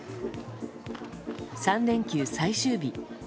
３連休最終日。